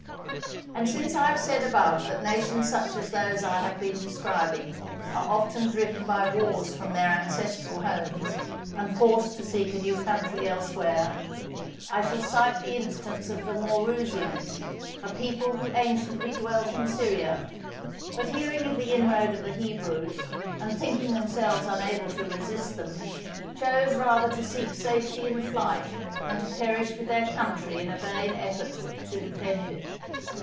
And since I have said above that nations such as those I have been describing, are often driven by wars from their ancestral homes, and forced to seek a new country elsewhere, I shall cite the instance of the Maurusians, a people who anciently dwelt in Syria, but hearing of the inroad of the Hebrews, and thinking themselves unable to resist them, chose rather to seek safety in flight than to perish with their country in a vain effort to defend it.